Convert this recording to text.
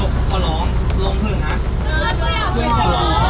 ขอร้องล้มพึงนะ